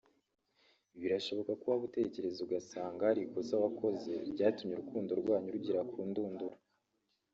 Birashoboka ko waba utekereza ugasanga hari ikosa wakoze ryatumye urukundo rwanyu rugera ku ndunduro